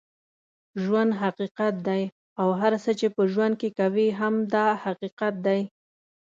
ژوند حقیقت دی اوهر څه چې په ژوند کې کوې هم دا حقیقت دی